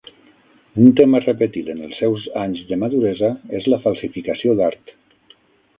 Un tema repetit en els seus anys de maduresa és la falsificació d'art.